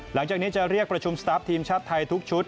หลังจากนี้จะเรียกประชุมสตาร์ฟทีมชาติไทยทุกชุด